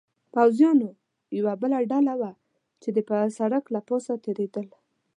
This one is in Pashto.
پوځیانو یوه بله ډله وه، چې د سړک له پاسه تېرېدل.